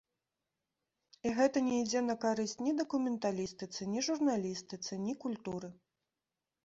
І гэта не ідзе на карысць ні дакументалістыцы, ні журналістыцы, ні культуры.